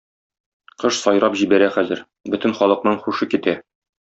Кош сайрап җибәрә хәзер, бөтен халыкның һушы китә.